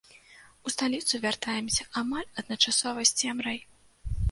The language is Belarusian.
У сталіцу вяртаемся амаль адначасова з цемрай.